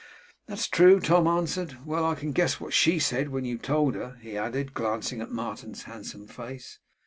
'That's true,' Tom answered. 'Well! I can guess what SHE said when you told her,' he added, glancing at Martin's handsome face.